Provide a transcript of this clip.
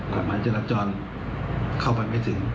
หมายจราจรเข้าไปไม่ถึง